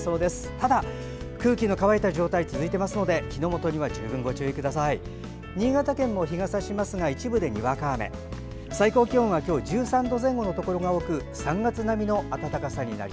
ただ、空気の乾いた状態が続いていますので火の元には十分ご注意ください。